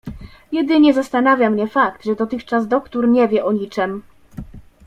"Jedynie zastanawia mnie fakt, że dotychczas doktór nie wie o niczem."